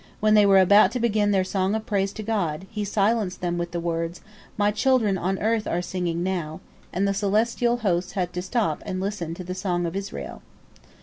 When they were about to begin their song of praise to God, He silenced them with the words, "My children on earth are singing now," and the celestial hosts had to stop and listen to the song of Israel.